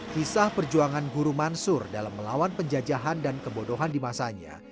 kisah perjuangan guru mansur dalam melawan penjajahan dan kebodohan di masanya